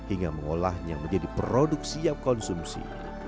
hingga mengolahnya menjadi produk siap konsumsi